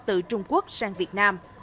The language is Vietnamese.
từ trung quốc sang việt nam